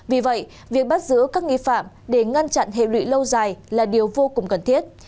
vì vậy việc bắt giữ các nghi phạm để ngăn chặn hệ lụy lâu dài là điều vô cùng cần thiết